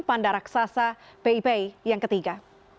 tahun panda raksasa pei pei yang ketiga